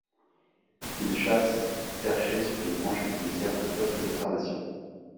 Il chasse perché sur une branche qui lui sert de poste d'observation.